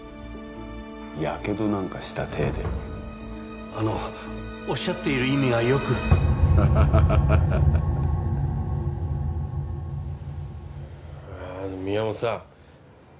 やけどなんかした体であのおっしゃっている意味がよくハハハハあの宮本さん